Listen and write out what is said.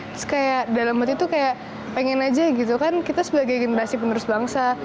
terus kayak dalam waktu itu kayak pengen aja gitu kan kita sebagai generasi penerus bangsa